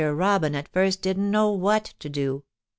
Robin at first didn't know what to do.